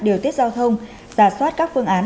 điều tiết giao thông giả soát các phương án